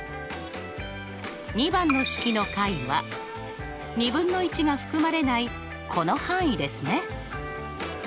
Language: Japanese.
２番の式の解はが含まれないこの範囲ですね。